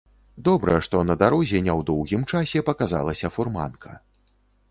Добра, што на дарозе не ў доўгім часе паказалася фурманка.